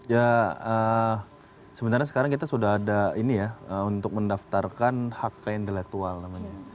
ya sebenarnya sekarang kita sudah ada ini ya untuk mendaftarkan hak kekayaan intelektual namanya